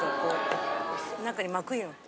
中に巻くんよ。